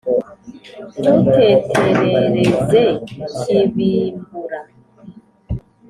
ntuteterereze kibimbura.